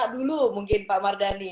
dulu mungkin pak mardhani